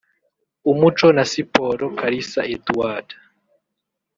Umuco na Siporo Kalisa Edouard